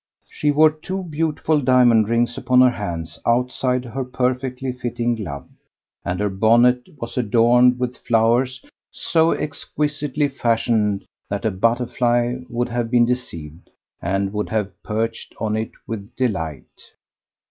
She wore two beautiful diamond rings upon her hands outside her perfectly fitting glove, and her bonnet was adorned with flowers so exquisitely fashioned that a butterfly would have been deceived and would have perched on it with delight.